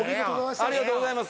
ありがとうございます。